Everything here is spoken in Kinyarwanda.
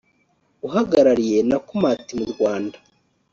uhagarariye Nakumatt mu Rwanda